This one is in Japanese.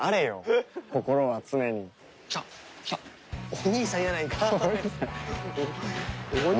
お兄さんやないかーい。